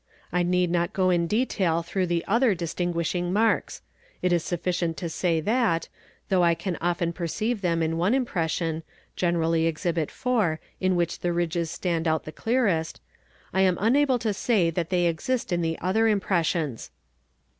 I need not go in detail through the other distinguishing marks: it is sufficient to say that, though I ean often perceive them in one impression (generally Exhibit 4, in which the ridges stand out the clearest), I am unable to say that they exist in the other impressions.